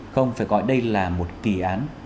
không phải gọi đây là một kỳ án